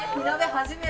初めて。